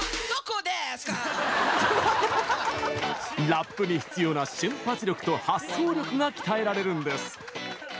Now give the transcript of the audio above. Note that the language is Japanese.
ラップに必要な瞬発力と発想力が鍛えられるんです。